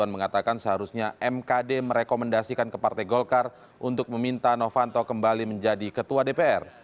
mengatakan seharusnya mkd merekomendasikan ke partai golkar untuk meminta novanto kembali menjadi ketua dpr